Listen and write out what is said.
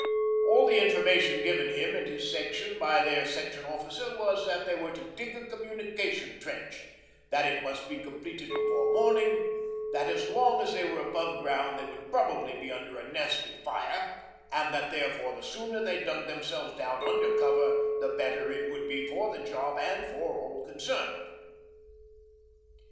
All the information given him and his section by their section officer was that they were to dig a communication trench, that it must be completed before morning, that as long as they were above ground they would probably be under a nasty fire, and that therefore the sooner they dug themselves down under cover the better it would be for the job and for all concerned.